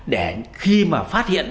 để khi mà phát hiện